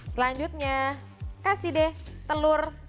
selanjutnya kasih deh telur